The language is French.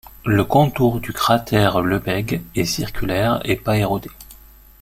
Le contour du cratère Lebesgue est circulaire et pas érodé.